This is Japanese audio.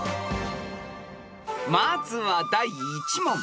［まずは第１問］